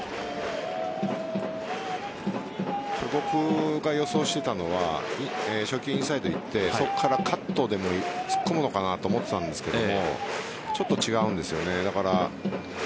僕が予想していたのは初球インサイドいってそこからカットで突っ込むのかなと思っていたんですがちょっと違うんですよね。